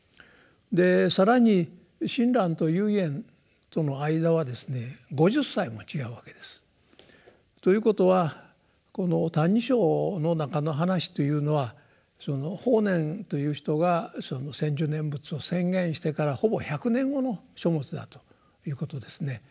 で更に親鸞と唯円との間はですね５０歳も違うわけです。ということはこの「歎異抄」の中の話というのはその法然という人が「専修念仏」を宣言してからほぼ１００年後の書物だということですね。